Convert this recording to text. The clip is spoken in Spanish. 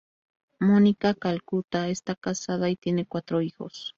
Mónica Calcutta está casada y tiene cuatro hijos.